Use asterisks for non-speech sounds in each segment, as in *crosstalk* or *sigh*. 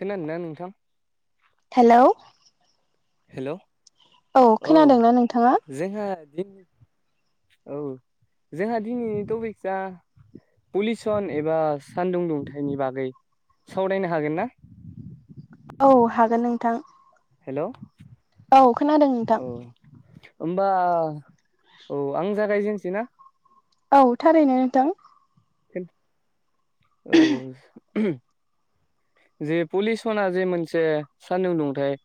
खोनादोंना नोंथां? Hello hello औ खोनादोंना नोंथाङा? जोंहा दिन औ जोंहा दिनैनि टपिकआ पलिउसन एबा सानदुं दुंथायनि बागै सावरायनो हागोन ना? औ हागोन नोंथां। हेल' खोनादों नोंथां औ होमबा औ आं जागायजेनैसै ना? औ थारैनो नोंथां, *unintelligible* औ जे पलिउसना जे मोनसे सानदुं दुंथाय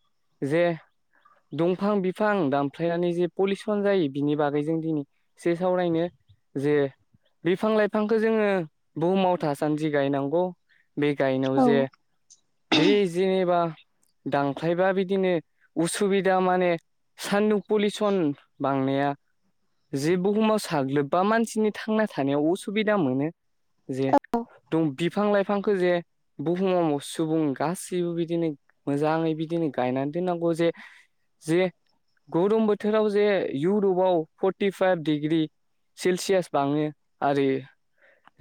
जे, दंफां बिफां दामफ्लायनानै जे पलिउसन जायो बिनि बागै जों दिनै, एसे सावरायनो जे बिफां-लाइफां, जोङो बुहुमाव थासान्दि गायनांगौ। बे गायनायाव औ जे, बे जेनेबा दांख्लायबा बिदिनो उसुबिदा माने, सान्दुं पलिउसन बांनाया, जे बुहुमाव साग्लोबबा मानसिनि थांना थानायाव अस सुबिदा मोनो जे, दम बिफां-लाइफांखौ जे, बुहुमाव सुबुं गासैबो बिदिनो मोजाङै बिदिनो गायनानै दोननांगौ जे, जे गरम बोथोराव जे इयउरपाव फर्टिफाइभ डिग्रि, सेलसियास बाङो आरो,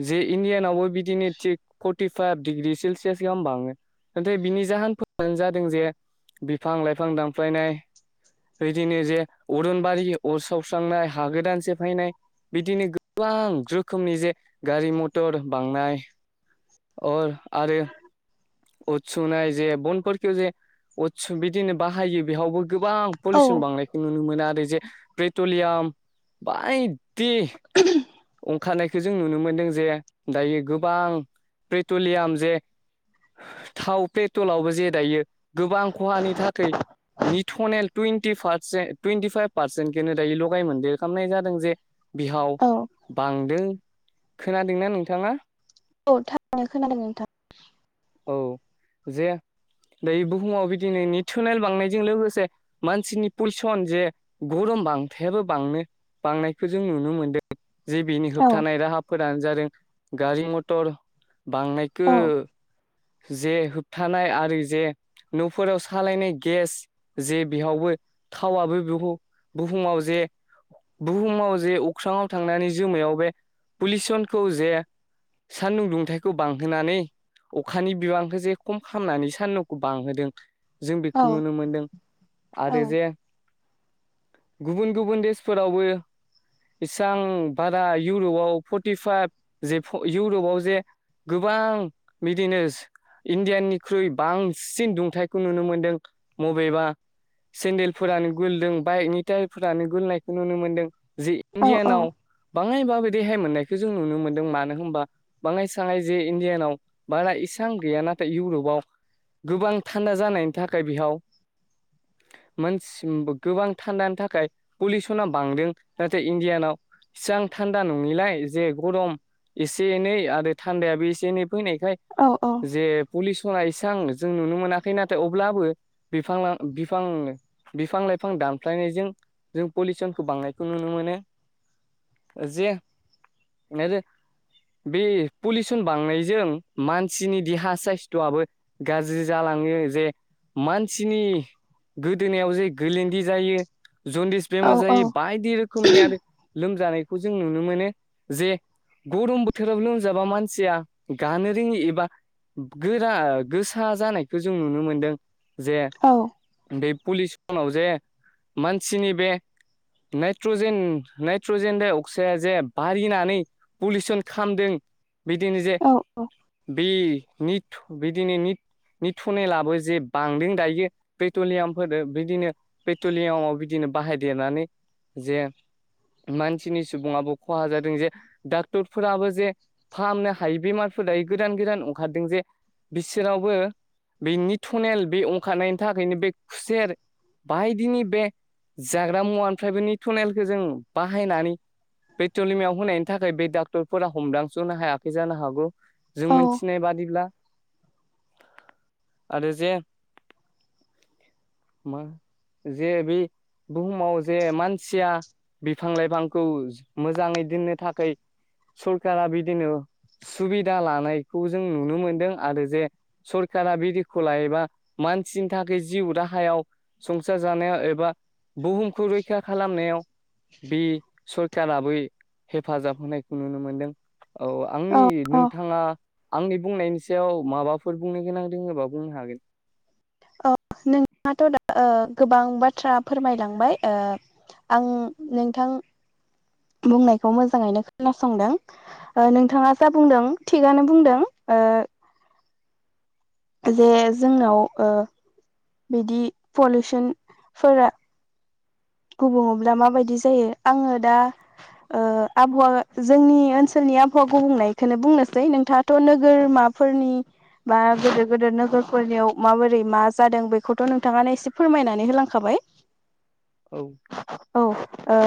जे इण्डियानावबो बिदिनो थिग फर्टिफाइभ डिग्रि सेलसियास गाहाम बाङो। नाथाय बिनि जाहोन फानो जादों जे, बिफां-लाइफां दानफायनाय, बिदिनो जे अरनबारि अर सावस्रांनाय हा गोदान सेफायनाय, बिदिनो गोबां रोखोमनि जे गारि मथर बांनाय, अ आरो, अदसुनाय जे, बनफोरखौ जे, अदस बिदिनो बाहायो बेहावबो गोबां औ पलिउसन बांनायखौ नुनो मोना आरो जे पेट्रलियाम बाय दि, ओंखारनायखौ जों नुनो मोनदों। जे दायो गोबां पेट्रलियाम जे, थाव पेट्रलावबो जे दायो गोबां खहानि थाखै निथनेल टुइन्टि पारसे टुइन्टिफाइभ पारसेन्ट खो दायो लगाय मोनदेरखामनाय जादों जे, बिहाव औ बांदों, खोनादोंना नोंथाङा? औ थांनो खोनादों नोंथां। औ जे बुहुमाव बिदिनो निथोनेयल बांनायजों लोगोसे, मानसिनि पलिसन जे गरम बांथायाबो बांनो, बांनायखौ जों नुनो मोनदों। जि बिनि औ होबथानाय राहाफोरानो जादों गारि- मटर बांनाय, औ खो जे, होबथानाय आरो जे न'फोराव सालायनाय गेस, जे बिहावबो थावाबो बुहु-बुहुमाव जे बुहुमाव जे अख्राङाव थांनानै जोमैयाव बे पलिउसनखौ जे सानदुं दुंथायखौ बांहोनानै अखानि बिबांखौ जे खम खामनानै सानदुंखौ बांहोदों। जों औ बेखौ नुनो मोनदों आरो जे गुबुन गुबुन देशफोरावबो इसां बारा इउरपआव फर्टिफाइभ जे इउरपआव जे गोबां बिदिनो इण्डियाननिख्रुइ बांसिन दुंथाइखौ नुनो मोनदों बबेबा सेन्देलफोरानो गुलदों बाइकनि टायारफोरानो गुलिनायखौ नुनो मोनदों जे औ इण्डियानाव बाङाय माबारै रेहाय मोननायखौ जों नुनो मोन्दों मानो होनबा बाङाय साङाय जे इण्डियानाव बारा इसां गैया नाथाय इउरपआव गोबां थान्दा जानायनि थाखाय बेहाव मोनसिमबो गोबां थान्दानि थाखाय। पलिसना बांदों नाथाय इण्डियानाव इसेबां थान्दा नङिलाय जे गरम एसे एनै आरो थान्दायाबो एसे एनै फैनायखाय औ औ जे पुलिस सना एसां जों नुनो मोनाखै नाथाय अब्लाबो बिफां बिफांनो बिफां लाइफां दानफ्लायनायजों जों पलिउसनखौ बांनायखौ नुनो मोनो जे *unintelligible* बे पलिउसन बांनायजों मानसिनि देहा साइस्थ'आबो गाज्रि जालाङो जे मानसिनि गोदोनायाव जे गोलन्दि जायो जन्दिस बेमार औ जायो औ औ बायदि रोखोम रोखोमनि आरो लोमजानायखौ जों नुनो मोनो जे गरम बोथोराव लोमजाबा मानसिया गानो जोंनि एबा गोरा गोसा जानायखौ जों नुनो मोनदों जे औ बे पलिउसनाव जे मानसिनि बे नाइट्रजेन नाइट्रजेन दाइ अक्साइड जे बारिनानै पलिउसन खालामदों बिदिनो जे औ औ बे निट बिदिनो निट नि टुनेलाबो जे बांदों दायो पेट्रलियामफोरजों बिदिनो पेट्रलियामाव बिदिनो बाहायदेरनानै जे मानसिनि सुबुङाबो खहा जादों जे डक्टरफोराबो जे फाहामनो हायि बेमारफोर दायो गोदान गोदान ओंखारदों जे बिसोरावबो बिनि थनेल बे ओंखारनायनि थाखायनो बे खुसेर बायदिनि बे जाग्रा मुवानिफ्राय बेनि टुनेलखौ जों बाहायनानै फेट्रलिमियाव होनायनि थाखाय बे डाक्टरफोरा हमदांस्रनो हायाखै जानो हागौ जों औ मोनथिनाय बादिब्ला आरो जे मा जे बे बुहुमाव जे मानसिया बिफां लाइफांखौ मोजाङै दोननो थाखाय सरखारा बिदिनो सुबिदा लानायखौ जों नुनो मोनदों आरो जे सरकारा बिदिखौ लायोबा मानसिनि थाखाय जिउ राहायाव संसार जानायाव एबा बुहुमखौ रैखा खालामनायाव बे सरखाराबो हेफाजाब होनायखौ नुनो मोनदों औ आंनि औ नोंथाङा आंनि बुंनायनि सायाव माबाफोर बुंनो गोनां दोङोबा बुंनो हागोन अ नोंहाथ' दा गोबां बाथ्रा फोरमायलांबाय ओ आं नोंथां बुंनायखौ मोजाङैनो खोनासंदों नोंथाङा जा बुंदों थिगानो बुंदों ओ जे जोंनाव ओ बिदि पलिउसनफोरा गुबुङावब्ला माबायदि जायो आङो दा आबहावा जोंनि ओनसोलनि आबहावा गुबुंनायखौनो बुंनोसै नोंथाङा थ' नोगोरमाफोरनि बा गिदिर गिदिर नोगोरफोरनियाव माबोरै मा जादों बेखौथ' नोंथाङानो एसे फोरमायनानै होलांखाबाय औ औ ओ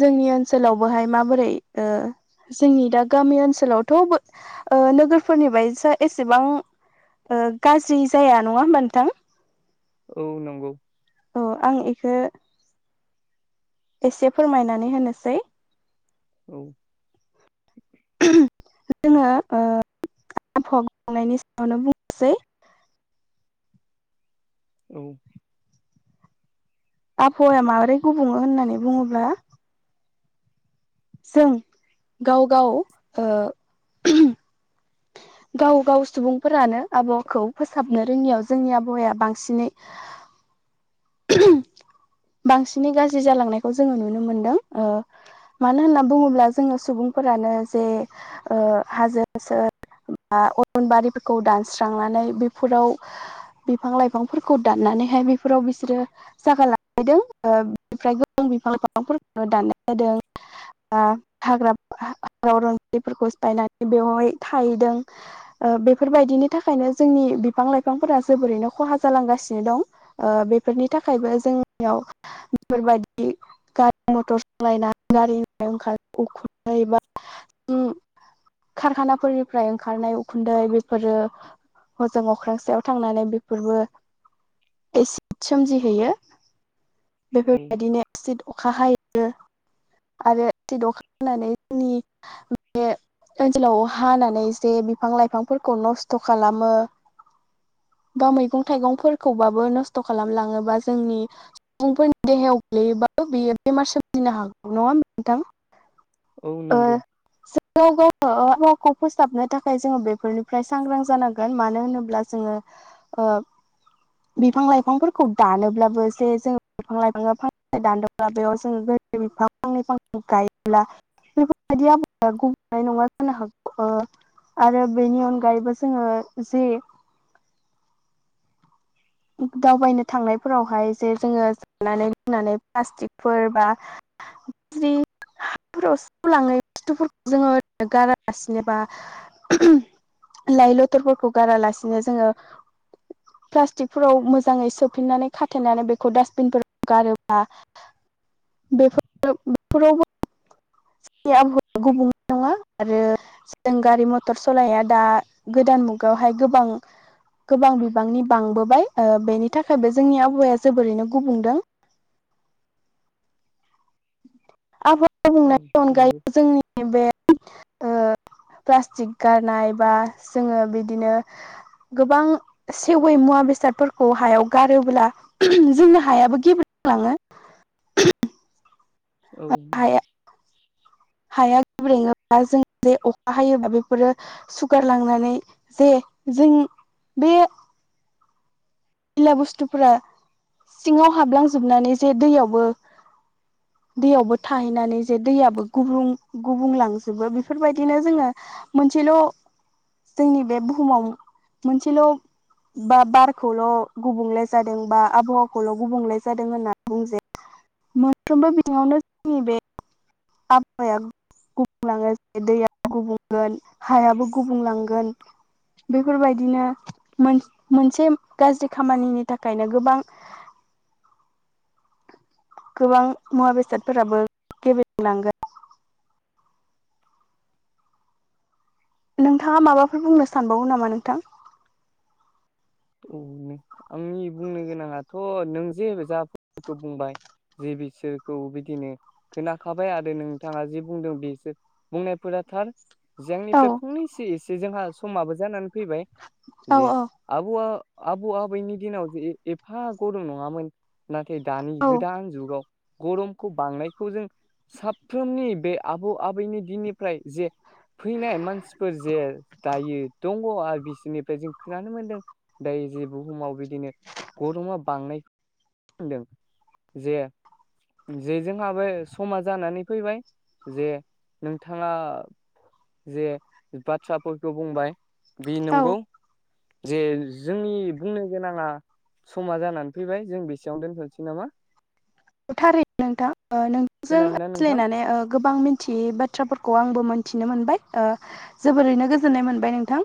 जोंनि ओनसोलावबोहाय माबोरै ओ जोंनि दा गामि ओनसोलावथ' ओ नोगोरफोरनि ब एसेबां ओ गाज्रि जाया नङा होमबा नोंथां औ नंगौ औ आं बेखौ एसे फोरमायनानै होनोसै औ जोंङो आबहावा खनायनि सायावनो बुंनोसै औ आबहावाया माबोरै गुबुङो होननानै बुङोब्ला जों गाव गाव गाव गाव सुबुंफोरानो आबहावाखौ फोसाबनो रोङियाव जोंनि आबहावाया बांसिनै *inaudible* बांसिनै गाज्रि जालांनायखौ जोंङो नुनो मोनदों ओ मानो होनना बुङोब्ला जोंङो सुबुंफोरानो जे हाजो सोर बा अरनबारिफोरखौ दानस्रांनानै बेफोराव बिफां लाइफांफोरखौ दाननानैहाय बेफोराव बि सोरो जागा लालायदोंफ्राय गोबां बिफां लाइफांफोरखौनो दाननाय जादों। हाग्रा हाग्रा रनजाइफोरखौ सिफायनानै बेवहाय थाहैदों बेफोरबायदिनि थाखायनो जोंनि बिफां लाइफांफोरा जोबोरैनो खहा जालांगासिनो दं। बेफोरनि थाखायबो जोंनियाव बेफोरबायदि गारि मथर सालायनानै गारिनिफ्राय ओंखारनाय उखुन्दै बा अम खारखानाफोरनिफ्राय ओंखारनाय उखुन्दै बेफोरो हजों अख्रांसेयाव थांनानै बेफोरबो एसिड सोमजिहैयो औ बेफोरबायदिनो एसिद अखा हायो। आरो दखान होननानै जोंनि *inaudible* ओनसोलाव हानानै जे बिफां लाइफांफोरखौ नस्थ' खालामो। बा मैगं थाइगंफोरखौबाबो नस्थ' खालामलाङोबा जोंनि सुबुं फोरनि देहायाव गोग्लैयोबाबो बेयो बेमार सोमजिनो हागौ नङा होम औ नोंथां ओ नंगौ गाव गाव गावखौ फोसाबनो थाखाय जोंङो बेफोरनिफ्राय सांग्रां जानांगोन मानो होनोब्ला जोंङो बिफां लाइ फांफोरखौ दानोब्लाबो जे जोंङो बिफां लाइफां दानोबब्ला बेयाव जोंङो बिफां फांनै फां गायोब्ला बेफोरबायदि आबहावाया गुबुंनाय नङा जानो हागौ। आरो बेनि अनगायैबो जोंङो जि दावबायनो थांनायफोरावहाय जे जोंङो जानानै लोंनानै प्लास्टिकफोर बा *unintelligible* हाफोराव सेवलांनाय बुस्थुफोरखौ जोंङो ओरैनो गारालासिनोबा लइ लथरफोरखौ गारालासेनो जोंङो पलासतिक फोराव मोजाङै सोफिननानै खाथेनानै बेखौ डास्बिनफोराव गारोबा बेफोर बेफोरावबोनि आबहावाया गुबुं नङा आरो जों गारि मटर सलाया दा गोदान मुगायावहाय गोबां गोबां बिबांनि बांबोबाय ओ बेनि थाखायबो जोंनि आबहावाया जोबोरैनो गुबुंदों। आबहावा औ गुबुंनायनि नंगौ अनगायै जोंनि बे ओ प्लास्टिक गारनाय बा जोंङो बिदिनो गोबां सेवै मुवा बेसादफोरखौ हायाव गारोब्ला जोंनो हायाबो गेब्लेलाङो औ हाया हाया गेब्रेङोबा जों जे अखा हायोबा बेफोरो सुगारलांनानै जे जों बेयो मैला बुस्थुफोरा सिङाव हाबलांजोबनानै जे दैयावबो *inaudible* दैयावबो थाहैनानै जे दैयाबो गुबुं गुबुंलांजोबो बेफोरबायदिनो जोंङो मोनसेल' जोंनि बे बुहुमाव मोनसेल' बा बारखौल' गुबुंले जादों बा आबहावाखौल' गुबुंले जादों होननानै बुंजाया मोनफ्रोमबो बिथिंयावनो जोंनि बे आबहाया गुबुं लाङो दैया गुबुंगोन हायाबो गुबुंलांगोन। बेफोरबायदिनो मोन मोनसे गाज्रि खामानिनि थाखायनो गोबां गोबां मुवा बेसादफोराबो गेबेंलांगोन। नोंथाङा माबाफोर बुंनो सानबावो नामा नोंथां। औ आंनि बुंनो गोनाङाथ' नों जे जाफोरखौ बुंबाय जे बिसोरखौ बिदिनो खोनाखाबाय आरो नोंथाङा जे बुंदों बेसो बुंनायफोरा थार। जे औ आंनिफ्राय फुंनैसो एसे जोंहा समाबो जानानै फैबाय। जे औ आबौवा आबौ आबैनि दिनाव जे एफा गरम नङामोन। नाथाय दानि औ गोदान जुगाव गरमखौ बांनायखौ जों साफ्रोमनि बे आबौ आबैनि दिननिफ्राय जे फैनाय मानसिफोर जे दायो दङ आरो बिसोरनिफ्राय जों खोनानो मोनदों दायो जे बुहुमाव बिदिनो गरमा बांनायखौ नुनो मोन्दों जे जे जोंहाबो समा जानानै फैबाय जे नोंथाङा जे बाथ्राफोरखौ बुंबाय बि औ नंगौ। जे जोंनि बुंनो गोनाङा समा जानानै फैबाय जों बेसेयावनो दोनथ'नोसै नामा। थारै नोंथां ओ नोंथांजों खोनादोंना नोंथां? रायज्लायनानै ओ गोबां मिन थियै बाथ्राफोरखौ आंबो मोनथिनो मोनबाय ओ जोबोरैनो गोजोननाय मोनबाय नोंथां।